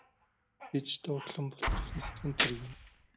гэж дооглон бултан нисдэг нь тэр гэнэ.